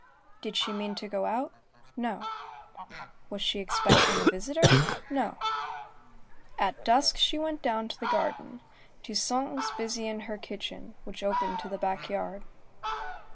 Did she mean to go out? No. Was she expecting a visitor? No. At dusk, she went down to the garden. Toussaint was busy in her kitchen, which opened on the back yard.